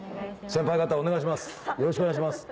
先輩方お願いします